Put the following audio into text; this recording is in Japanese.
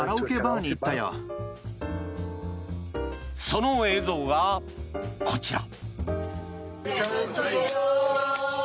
その映像がこちら。